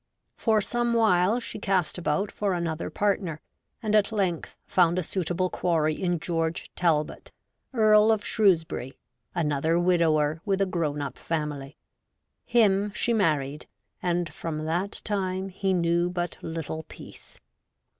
For some while she cast about for another partner, and at length found a suitable quarry in George Talbot, Earl of Shrewsbury, another widower with a grown up family. Him she married, and from that time he knew but little peace.